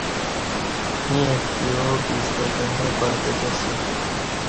ییں اتکی ا و پیستہ تہ نہ پاتہ تا سی